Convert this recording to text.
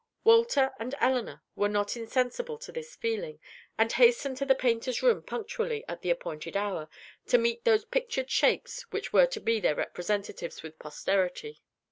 Walter and Elinor were not insensible to this feeling, and hastened to the painter's room, punctually at the appointed hour, to meet those pictured shapes which were to be their representatives with posterity.